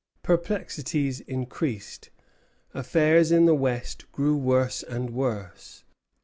Perplexities increased; affairs in the West grew worse and worse.